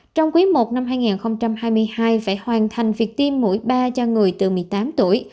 trong quý i năm hai nghìn hai mươi hai phải hoàn thành việc tiêm mỗi ba cho người từ một mươi tám tuổi